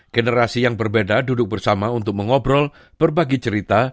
generasi yang berbeda duduk bersama untuk mengobrol berbagi cerita